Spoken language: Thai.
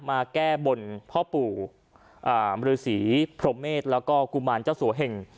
มาแก้บนพ่อปู่มรือศรีพรมเมษแล้วก็กุมารเจ้าสัวเหง